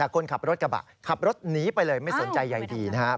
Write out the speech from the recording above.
คนขับรถกระบะขับรถหนีไปเลยไม่สนใจใยดีนะครับ